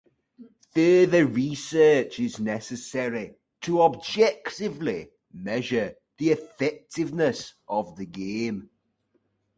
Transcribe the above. Further research is necessary to objectively measure the effectiveness of the game.